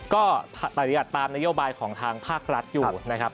ก็ตามนโยบายของทางภาครัฐอยู่นะครับ